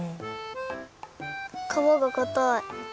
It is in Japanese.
かわがかたい。